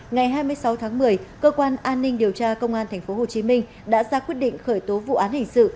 ngày hai mươi sáu tháng một mươi cơ quan an ninh điều tra công an tp hcm đã ra quyết định khởi tố vụ án hình sự